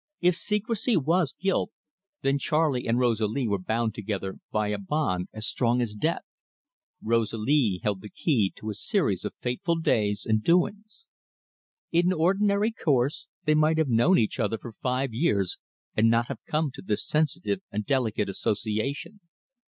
If secrecy was guilt, then Charley and Rosalie were bound together by a bond as strong as death: Rosalie held the key to a series of fateful days and doings. In ordinary course, they might have known each other for five years and not have come to this sensitive and delicate association.